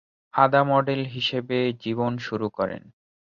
আদা মডেল হিসেবে জীবন শুরু করেন।